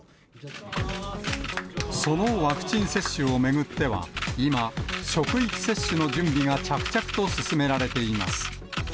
そのワクチン接種を巡っては、今、職域接種の準備が着々と進められています。